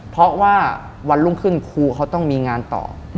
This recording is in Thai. เพราะว่าวันรุ่งขึ้นครูเขาต้องมีงานต่อ